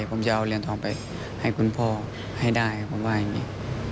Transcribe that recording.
ผมจะเอาเหรียญทองไปให้คุณพ่อให้ได้ผมว่าอย่างนี้